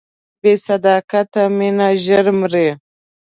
بې صداقته مینه ژر مري.